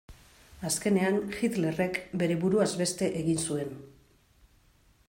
Azkenean Hitlerrek bere buruaz beste egin zuen.